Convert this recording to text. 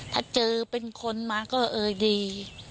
ถ้าเจอเป็นคนมาก็เออดี